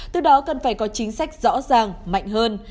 từ đó cần phải có chính sách rõ ràng mạnh hơn